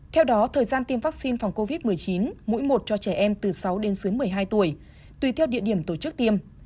theo đó thời gian tiêm vaccine phòng covid một mươi chín mũi một cho trẻ em từ sáu đến dưới một mươi hai tuổi tùy theo địa điểm tổ chức tiêm